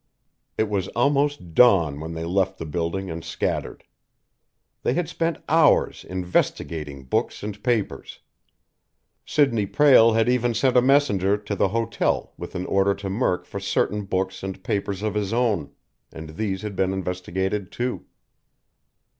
It was almost dawn when they left the building and scattered. They had spent hours investigating books and papers. Sidney Prale had even sent a messenger to the hotel with an order to Murk for certain books and papers of his own, and these had been investigated, too.